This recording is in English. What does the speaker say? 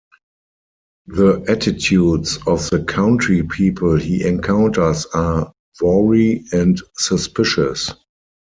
The attitudes of the country people he encounters are wary and suspicious.